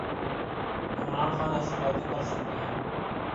عمران خان ایسی باتیں کر سکتے ہیں۔